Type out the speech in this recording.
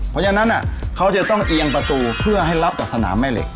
เพราะฉะนั้นเขาจะต้องเอียงประตูเพื่อให้รับกับสนามแม่เหล็ก